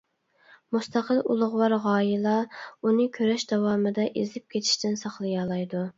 مۇستەقىل ئۇلۇغۋار غايىلا ئۇنى كۈرەش داۋامىدا ئېزىپ كېتىشتىن ساقلىيالايدۇ.